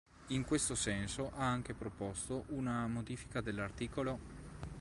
In questo senso ha anche proposto una modifica dell'art.